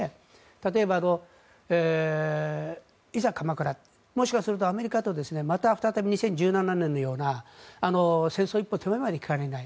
例えば、いざ鎌倉もしくはアメリカと、また再び２０１７年のような戦争一歩手前まで行きかねない